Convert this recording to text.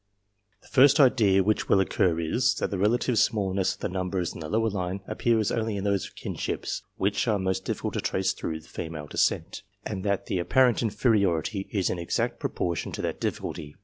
The first idea which will occur is, that the relative smallness of the numbers in the lower line appears only 318 COMPARISON OF RESULTS in those kinships which are most difficult to trace through female descent, and that the apparent inferiority is in exact proportion to that difficulty.